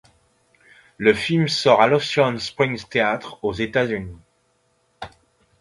Le film sort le à l’Océan Springs Theatre aux Etats-Unis.